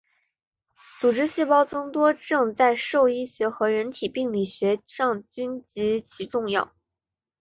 组织细胞增多症在兽医学和人体病理学上均极其重要。